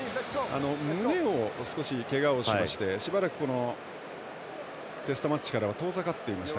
胸を少し、けがをしましてしばらくテストマッチからは遠ざかっていました